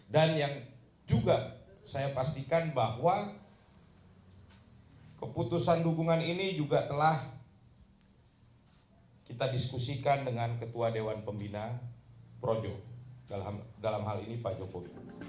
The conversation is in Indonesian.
dan yang juga saya pastikan bahwa keputusan dukungan ini juga telah kita diskusikan dengan ketua dewan pembina projo dalam hal ini pak jokowi